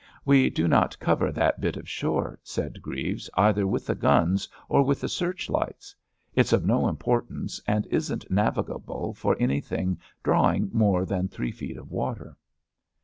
"We do not cover that bit of shore," said Grieves, "either with the guns or with the searchlights. It's of no importance, and isn't navigable for anything drawing more than three feet of water."